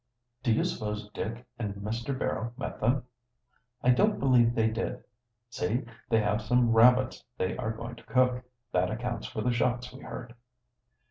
"Do you suppose Dick and Mr. Barrow met them?" "I don't believe they did. See, they have some rabbits they are going to cook. That accounts for the shots we heard."